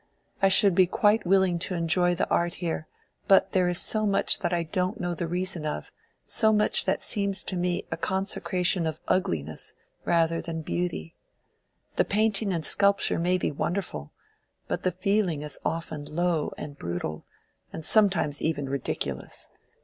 I should be quite willing to enjoy the art here, but there is so much that I don't know the reason of—so much that seems to me a consecration of ugliness rather than beauty. The painting and sculpture may be wonderful, but the feeling is often low and brutal, and sometimes even ridiculous.